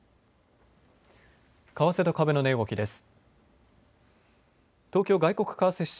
為替と株の値動きです。